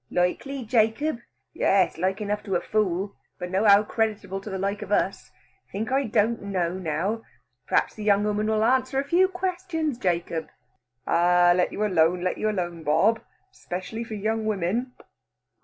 "Likely, Jacob? Yes, like enough to a fool; but nohow creditable to the like of us. Think I don't know now? Perhaps the young 'ooman will answer a few questions, Jacob." "Ah, let you alone; let you alone, Bob! Specially for young women!"